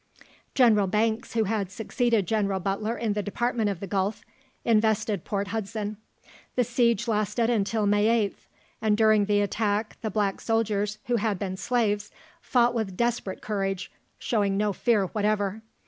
General Banks, who had succeeded General Butler in the Department of the Gulf, invested Port Hudson. The siege lasted until May 8th, and during the attack, the black soldiers, who had been slaves, fought with desperate courage, showing no fear whatever.